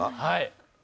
はい。